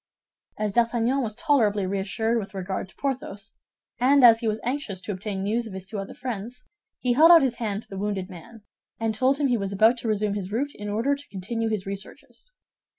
As D'Artagnan was tolerably reassured with regard to Porthos, and as he was anxious to obtain news of his two other friends, he held out his hand to the wounded man, and told him he was about to resume his route in order to continue his researches.